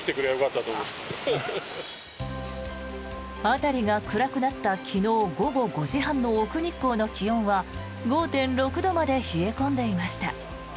辺りが暗くなった昨日午後５時半の奥日光の気温は５．６度まで冷え込んでいました。